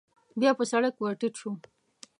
بيا په سړک ور ټيټ شو.